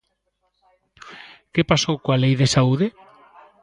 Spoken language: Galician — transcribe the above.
¿Que pasou coa Lei de saúde?